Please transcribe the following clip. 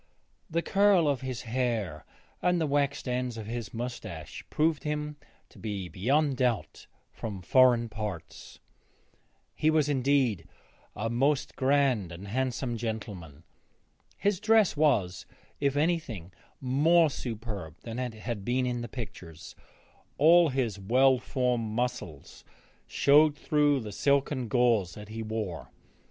The curl of his hair and the waxed ends of his moustache proved him to be beyond doubt from foreign parts. He was indeed a most grand and handsome gentleman. His dress was, if anything, more superb than it had been in the pictures; all his well formed muscles showed through the silken gauze that he wore.